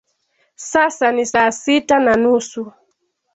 Sasa ni saa sita na nusu.